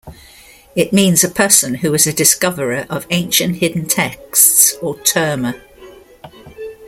It means a person who is a discoverer of ancient hidden texts or "terma".